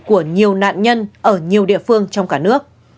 của nhiều nạn nhân ở nhiều địa phương trong cả nước